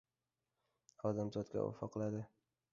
Odamzotga vafo qiladi.